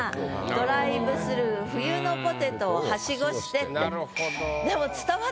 「ドライブスルー冬のポテトをはしごして」って。